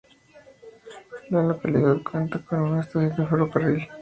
La localidad cuenta con una estación de ferrocarril.